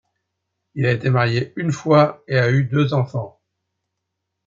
Il a été marié une fois et a eu deux enfants.